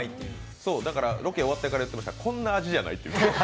ロケ終わってから言ってました、こんな味じゃないって。